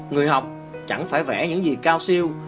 người học chẳng phải vẽ những gì cao siêu